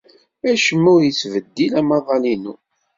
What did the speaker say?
Acemma ur yettbeddil amaḍal-inu.